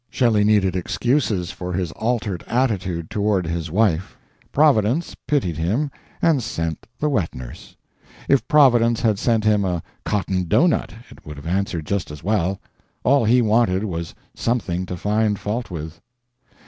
Shelley needed excuses for his altered attitude toward his wife; Providence pitied him and sent the wet nurse. If Providence had sent him a cotton doughnut it would have answered just as well; all he wanted was something to find fault with.